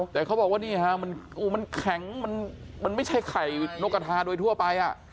แต่เขาบอกว่านี่ฮะมันแข็งมันไม่ใช่ไข่นกกระทาโดยทั่วไป